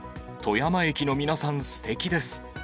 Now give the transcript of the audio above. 富山駅の皆さん、すてきです。